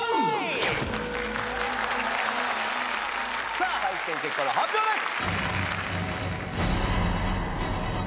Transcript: さぁ採点結果の発表です！